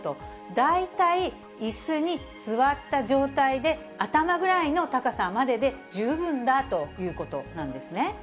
大体、いすに座った状態で頭ぐらいの高さまでで十分だということなんですね。